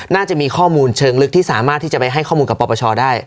น่าจะมีข้อมูลเชิงลึกที่สามารถที่จะไปให้ข้อมูลกับปปชได้